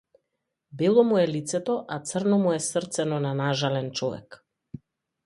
Бело му е лицето, а црно му е срцено на нажален човек.